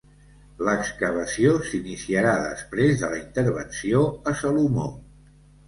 L'excavació s'iniciarà després de la intervenció a Salomó.